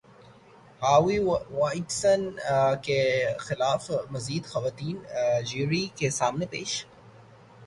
Harvey Weinstein کے خلاف مزید خواتین جیوری کے سامنے پیش